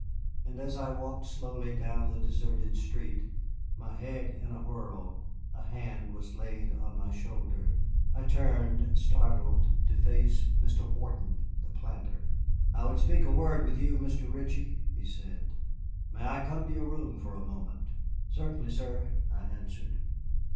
And as I walked slowly down the deserted street, my head in a whirl, a hand was laid on my shoulder. I turned, startled, to face Mr. Wharton, the planter. "I would speak a word with you, Mr. Ritchie," he said. "May I come to your room for a moment?" "Certainly, sir," I answered.